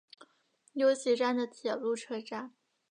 由岐站的铁路车站。